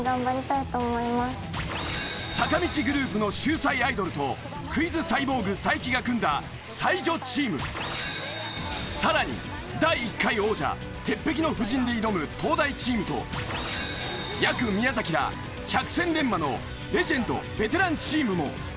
坂道グループの秀才アイドルとクイズサイボーグ才木が組んださらに第１回王者鉄壁の布陣で挑む東大チームとやく宮崎ら百戦錬磨のレジェンドベテランチームも。